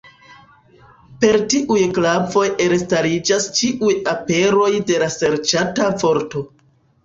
Per tiuj klavoj elstariĝas ĉiuj aperoj de la serĉata vorto.